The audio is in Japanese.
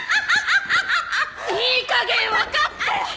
いいかげん分かって！